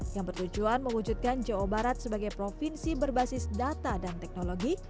yang bertujuan mewujudkan jawa barat sebagai provinsi berbasis data dan teknologi